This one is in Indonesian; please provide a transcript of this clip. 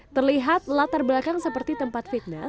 terlihat latar belakang seperti tempat fitnah